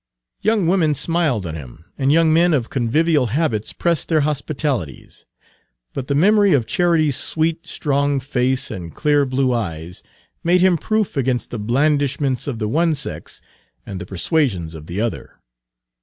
Young women smiled on him, and young men of convivial habits pressed their hospitalities; but the memory of Charity's sweet, strong face and clear blue eyes made him proof against the blandishments of the one sex and the persuasions of the other.